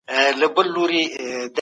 تاسي په خپلو لاسونو کي جراثیم نه ساتئ.